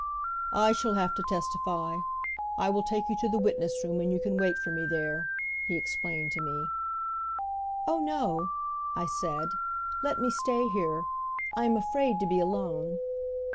"I shall have to testify. I will take you to the witness room and you can wait for me there," he explained to me. "Oh, no," I said, "let me stay here. I am afraid to be alone."